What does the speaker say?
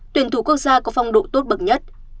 tuyển thủ quốc gia có phong độ tốt bậc nhất